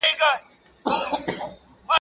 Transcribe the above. بیا یې هم ..